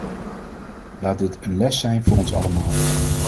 Laat dit een les zijn voor ons allemaal.